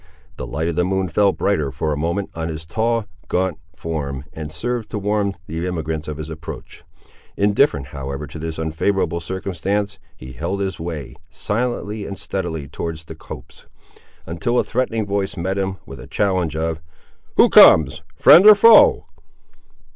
The light of the moon fell brighter for a moment on his tall, gaunt, form, and served to warn the emigrants of his approach. Indifferent, however to this unfavourable circumstance, he held his way, silently and steadily towards the copse, until a threatening voice met him with a challenge of— "Who comes; friend or foe?"